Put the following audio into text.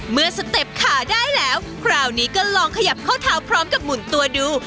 สเต็ปขาได้แล้วคราวนี้ก็ลองขยับข้อเท้าพร้อมกับหมุนตัวดู